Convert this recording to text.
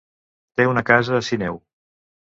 Té una casa a Sineu.